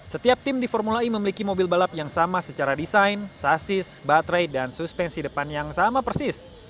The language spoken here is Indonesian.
setiap tim di formula e memiliki mobil balap yang sama secara desain sasis baterai dan suspensi depan yang sama persis